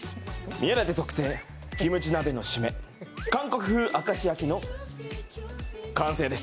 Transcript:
宮舘特製キムチ鍋の締め、韓国風明石焼きの完成です。